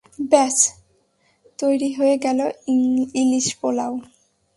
ব্যাস তৈরি হয়ে গেল ইলিশ পোলাও।